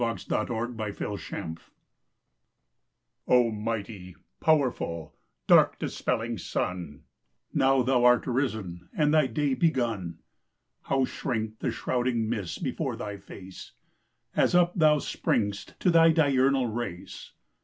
PRAYER AT SUNRISE O mighty, powerful, dark dispelling sun, Now thou art risen, and thy day begun. How shrink the shrouding mists before thy face, As up thou spring st to thy diurnal race!